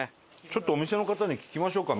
ちょっとお店の方に聞きましょうか？